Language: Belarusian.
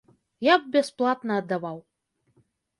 Я б бясплатна аддаваў.